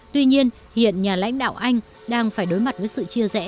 tuy nhiên hiện nhà lãnh đạo anh đang phải đối mặt với sự chia rẽ